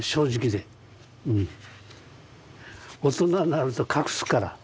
大人になると隠すから。